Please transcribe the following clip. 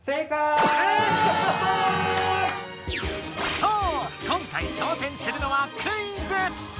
そう今回挑戦するのは「クイズ」。